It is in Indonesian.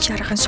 dari mana tbsp